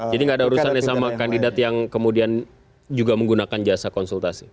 jadi nggak ada urusan yang sama kandidat yang kemudian juga menggunakan jasa konsultasi